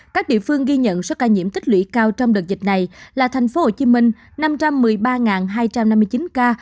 các địa phương ghi nhận số ca nhiễm tích lũy cao trong đợt dịch này là thành phố hồ chí minh năm trăm một mươi ba hai trăm năm mươi chín ca